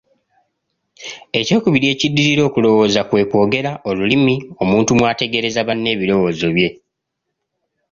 Ekyokubiri ekiddirira okulowooza kwe kwogera olulimi, omuntu mw'ategeereza banne ebirowoozo bye.